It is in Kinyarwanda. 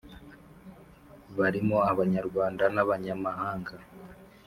barimo abanyarwanda n’abanyamahanga